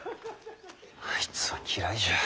あいつは嫌いじゃ。